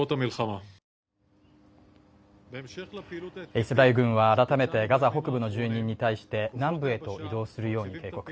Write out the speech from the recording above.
イスラエル軍は改めてガザ北部の住民に対して南部へと移動するよう警告。